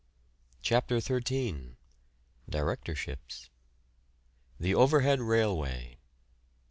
] CHAPTER XIII. DIRECTORSHIPS. THE OVERHEAD RAILWAY.